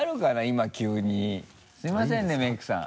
今急にすみませんねメイクさん。